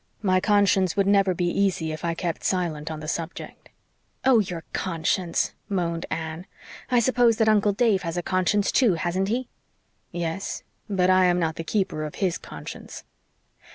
My conscience would never be easy if I kept silent on the subject." "Oh, your conscience!" moaned Anne. "I suppose that Uncle Dave has a conscience too, hasn't he?" "Yes. But I am not the keeper of his conscience.